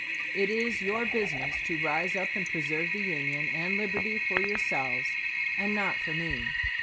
It is your business to rise up and preserve the Union and liberty for yourselves, and not for me.